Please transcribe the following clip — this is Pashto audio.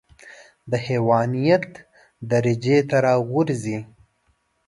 د حيوانيت درجې ته راغورځي.